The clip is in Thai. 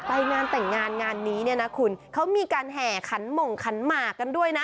ไปงานแต่งงานงานนี้เนี่ยนะคุณเขามีการแห่ขันหม่งขันหมากกันด้วยนะ